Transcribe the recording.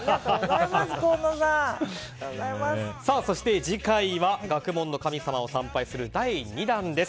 そして、次回は学問の神様を参拝する第２弾です。